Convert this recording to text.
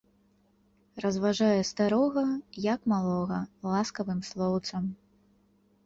Разважае старога, як малога, ласкавым слоўцам.